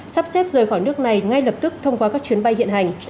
sắp xếp rời khỏi nước này ngay lập tức thông qua các chuyến bay hiện hành